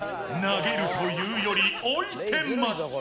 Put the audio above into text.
投げるというより置いてます。